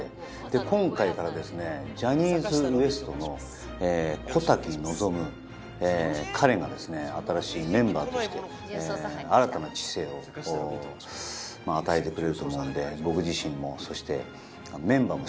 で今回からですねジャニーズＷＥＳＴの小瀧望彼がですね新しいメンバーとして新たな知性を与えてくれると思うので僕自身もそしてメンバーもすごく楽しみにしてますので。